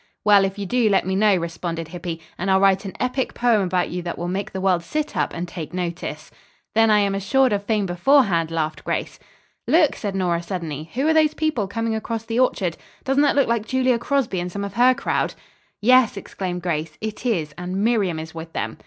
"Well, if you do, let me know," responded Hippy, "and I'll write an epic poem about you that will make the world sit up and take notice." "Then I am assured of fame beforehand," laughed Grace. "Look!" said Nora suddenly. "Who are those people coming across the orchard? Doesn't that look like Julia Crosby and some of her crowd?" "Yes," exclaimed Grace, "it is, and Miriam is with them."